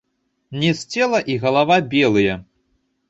Ніз цела і галава белыя.